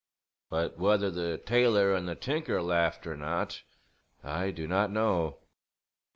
But whether the tailor and the tinker laughed or not, I do not know.